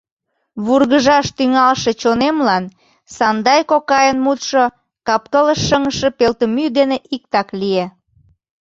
Вургыжаш тӱҥалше чонемлан Сандай кокайын мутшо капкылыш шыҥыше пелтымӱй дене иктак лие.